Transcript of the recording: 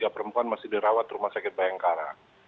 tiga perempuan masih dirawat rumah sakit bayangkara